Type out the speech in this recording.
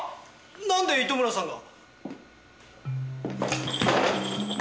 なんで糸村さんが？